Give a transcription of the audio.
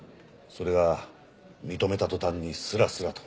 それが認めた途端にスラスラと。